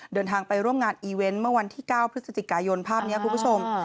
เดินทางไปร่วมงานอีเวนต์เมื่อวันที่๙พฤศจิกายนภาพนี้คุณผู้ชม